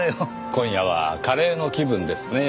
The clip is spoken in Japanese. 今夜はカレーの気分ですねぇ。